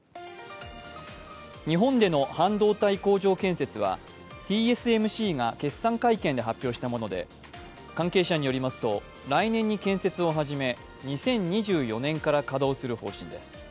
日本での半導体工場建設は、ＴＳＭＣが決算会見で発表したもので、関係者によりますと、来年に建設を始め２０２４年から稼働する方針です。